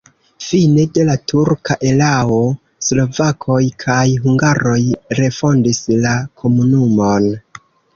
Fine de la turka erao slovakoj kaj hungaroj refondis la komunumon.